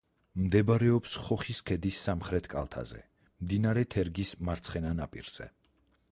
მდებარეობს ხოხის ქედის სამხრეთ კალთაზე, მდინარე თერგის მარცხენა ნაპირზე.